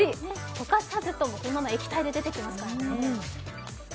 溶かさずとも、そのまま液体で出てきますからね。